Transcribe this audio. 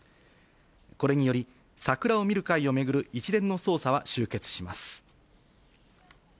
これにより、桜を見る会を巡る一連の捜査は終結します。